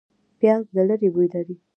پیاز له لرې بوی لري